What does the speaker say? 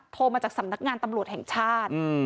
โทรมาจากสำนักงานตำรวจแห่งชาติ